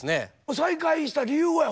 再開した理由はや？